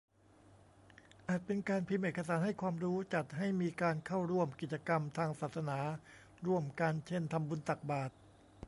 อาจเป็นการพิมพ์เอกสารให้ความรู้ จัดให้มีการเข้าร่วมกิจกรรมทางศาสนาร่วมกัน เช่น ทำบุญตักบาตร